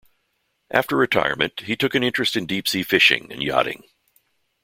After retirement he took an interest in deep-sea fishing and yachting.